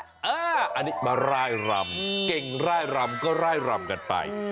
อันนี้มาไล่รำเก่งไล่รำก็ไล่รำกันไป